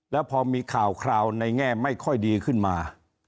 แล้วพอมีข่าวคราวในแง่ไม่ค่อยดีขึ้นมา